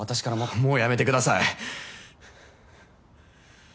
もうやめてください。